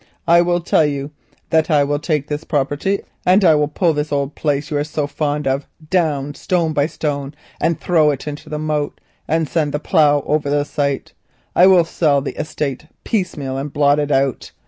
I tell you that I will take this property and I will pull this old place you are so fond of down stone by stone and throw it into the moat, and send the plough over the site. I will sell the estate piecemeal and blot it out.